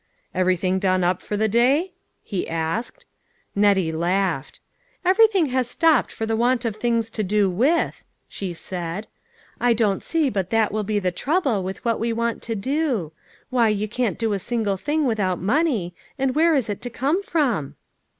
" Everything done up for the day ?" he asked. Nettie laughed. " Everything has stopped for the want of 96 LITTLE FISHEKS: AND THEIR NETS. things to do with," she said. "I don't see but that will be the trouble with what we want to do. Why, you can't do a single thing without money; and where is it to come from?"